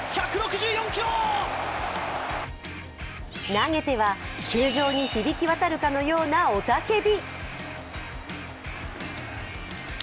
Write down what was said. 投げては球場に響き渡るかのような雄たけび。